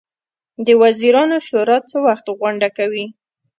د وزیرانو شورا څه وخت غونډه کوي؟